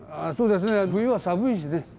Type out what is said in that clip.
そうですね冬は寒いしね。